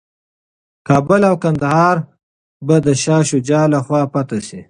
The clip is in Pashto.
کابل او کندهار به د شاه شجاع لخوا فتح شي.